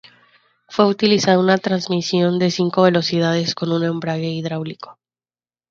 Fue utilizada una transmisión de cinco velocidades con un embrague hidráulico.